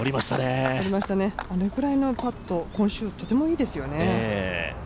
あれくらいのパット、今週とてもいいですよね。